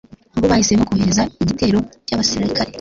bo bahisemo kohereza igitero cy'abasirikare